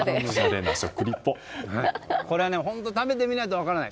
これは本当に食べてみないと分からない。